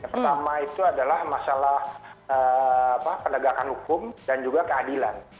pertama itu adalah masalah penegakan hukum dan juga keadilan